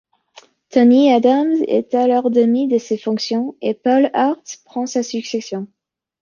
Tony Adams est alors démis de ses fonctions et Paul Hart prend sa succession.